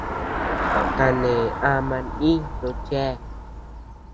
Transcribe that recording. Kane ama ndií no chéa.